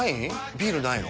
ビールないの？